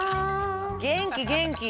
元気元気。